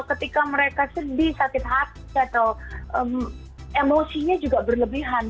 ketika mereka sedih sakit hati atau emosinya juga berlebihan